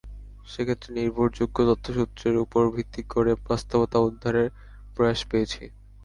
সেক্ষেত্রে নির্ভরযোগ্য তথ্যসূত্রের উপর ভিত্তি করে বাস্তবতা উদ্ধারের প্রয়াস পেয়েছি।